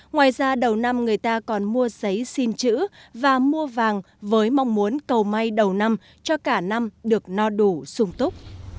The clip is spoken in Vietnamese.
ngoài ra đầu năm người ta còn mua giấy xin chữ và mua vàng với mong muốn cầu may đầu năm cho cả năm được no đủ sung túc